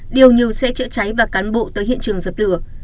điều nhiều xe chữa cháy và cán bộ tới hiện trường dập lửa